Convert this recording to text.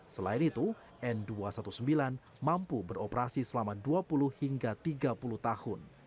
selain itu n dua ratus sembilan belas mampu beroperasi selama dua puluh hingga tiga puluh tahun